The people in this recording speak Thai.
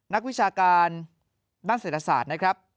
นักวิชาการด้านเศรษฐศาสตร์นะครับ